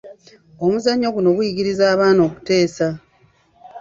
Omuzannyo guno guyigiriza abaana okuteesa.